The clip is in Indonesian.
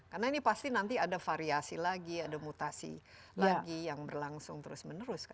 karena ini pasti nanti ada variasi lagi ada mutasi lagi yang berlangsung terus menerus